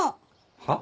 はっ？